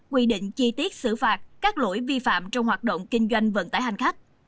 quy định chi tiết xử phạt các lỗi vi phạm trong hoạt động kinh doanh vận tải hành khách